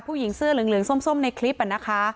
ผู้หญิงเสื้อเหลืองส้มในคลิปนะคะ